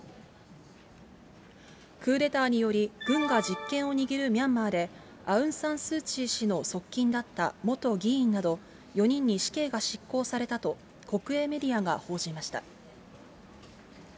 クーデターにより、軍が実権を握るミャンマーで、アウン・サン・スー・チー氏の側近だった元議員など、４人に死刑が執行されたと、国営メディアが報じました。